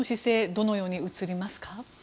どのように映りますか。